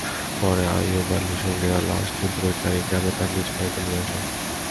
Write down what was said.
পরে আইয়ুব আলীর সঙ্গীরা লাশটি বৈকারী গ্রামে তাঁর নিজ বাড়িতে নিয়ে আসেন।